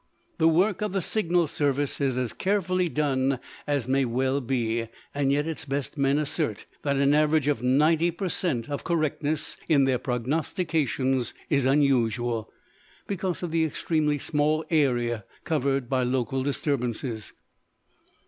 The work of the Signal Service is as carefully done as may well be: yet its best men assert that an average of 90 per cent. of correctness in their prognostications is unusual, because of the extremely small areas covered by local disturbances.